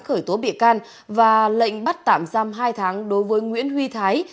khởi tố bị can và lệnh bắt tạm giam hai tháng đối với nguyễn huy thái